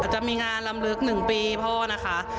จะมีงานลำลึก๑ปีพ่อนะคะ